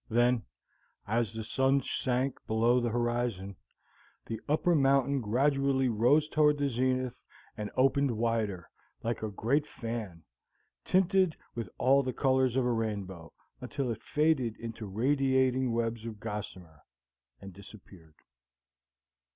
Then, as the sun sank below the horizon, the upper mountain gradually rose toward the zenith and opened wider, like a great fan, tinted with all the colors of a rainbow, until it faded into radiating webs of gossamer, and disappeared.